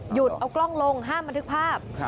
หยุดเอากล้องลงห้ามบันทึกภาพ